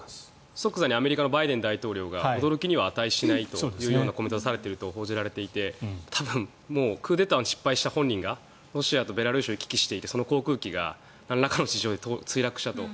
即座にアメリカのバイデン大統領が驚きには値しないというようなコメントをされていると報じられていてただクーデターに失敗した本人がロシアとベラルーシを行き来していて行き来していて、その航空機がなんらかの事情で墜落したと。